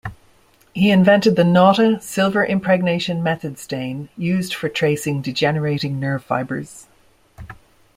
He invented the Nauta Silver Impregnation Method stain, used for tracing degenerating nerve fibers.